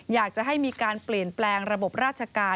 อยากจะให้มีการเปลี่ยนแปลงระบบราชการ